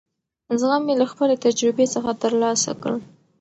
زغم مې له خپلې تجربې څخه ترلاسه کړ.